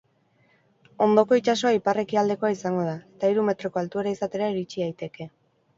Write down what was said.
Hondoko itsasoa ipar-ekialdekoa izango da, eta hiru metroko altuera izatera iritsi daiteke.